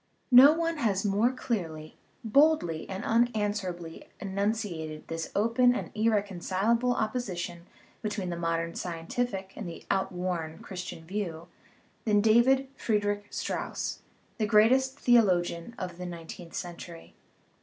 No one has more clearly, boldly, and unanswerably enunciated this open and irreconcilable opposition be tween the modern scientific and the outworn Christian view than David Friedrich Strauss, the greatest theo logian of the nineteenth century.